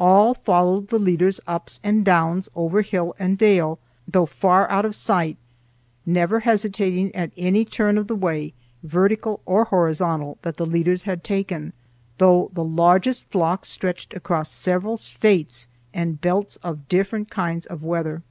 All followed the leader's ups and downs over hill and dale though far out of sight, never hesitating at any turn of the way, vertical or horizontal that the leaders had taken, though the largest flocks stretched across several States, and belts of different kinds of weather.